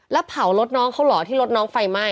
แล้วเผารถน้องเขาเหรอที่รถน้องไฟไหม้